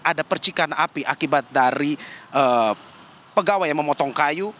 ada percikan api akibat dari pegawai yang memotong kayu